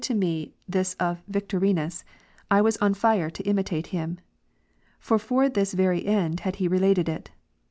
141 to me this of Victorinus, I was on fire to imitate him ; for for this very end had he related it.